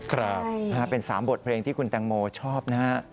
ครับใช่ครับเป็นสามบทเพลงที่คุณแตงโมชอบนะครับ